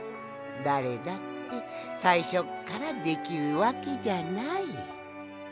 だれだってさいしょっからできるわけじゃない。